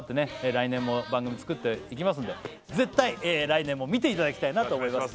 来年も番組作っていきますので絶対来年も見ていただきたいなと思います